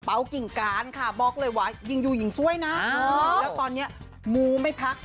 เป๋ากิ่งการค่ะบอกเลยว่ายิงยูหยิ่งซ่วยนะแล้วตอนเนี้ยมูไม่พัก